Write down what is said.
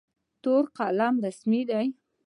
تور قلم رسمي دی.